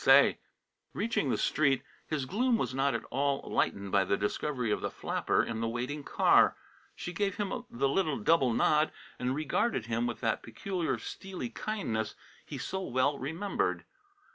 say!" Reaching the street, his gloom was not at all lightened by the discovery of the flapper in the waiting car. She gave him the little double nod and regarded him with that peculiar steely kindness he so well remembered.